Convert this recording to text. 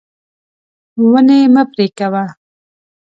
ونې مه پرې کوه.